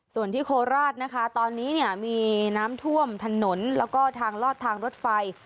ส่วนที่โคราชนะคะตอนนี้เนี่ยมีน้ำท่วมถนนแล้วก็ทางลอดทางรถไฟ